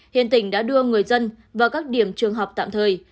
hiện tỉnh đã đưa người dân vào các điểm trường học tạm thời